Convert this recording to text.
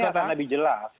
ini akan lebih jelas